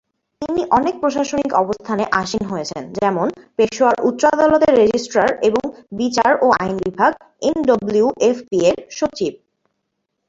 তিনি অনেক প্রশাসনিক অবস্থানে আসীন হয়েছেন, যেমন: পেশোয়ার উচ্চ আদালতের রেজিস্ট্রার এবং বিচার ও আইন বিভাগ, এনডব্লিউএফপি-এর সচিব।